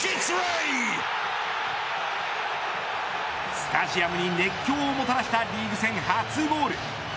スタジアムに熱狂をもたらしたリーグ戦初ゴール。